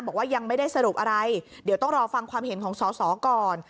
บอกว่ายังไม่ได้สรุปอะไรเดี๋ยวต้องรอฟังความเห็นของสอสอก่อน